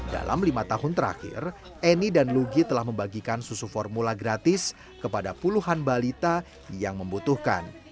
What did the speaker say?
dalam lima tahun terakhir eni dan lugi telah membagikan susu formula gratis kepada puluhan balita yang membutuhkan